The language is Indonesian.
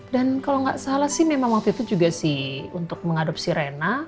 kalau nggak salah sih memang waktu itu juga sih untuk mengadopsi rena